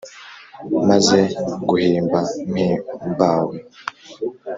maze nguhimba mpimbawe